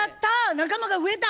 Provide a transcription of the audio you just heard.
仲間が増えた！